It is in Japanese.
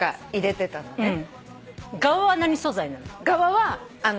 ガワは何素材なの？